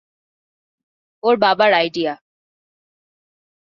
ওর বাবার আইডিয়া।